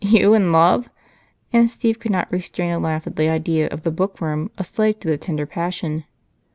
"You in love!" And Steve could not restrain a laugh at the idea of the bookworm a slave to the tender passion.